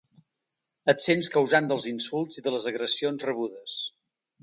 Et sents causant dels insults i de les agressions rebudes.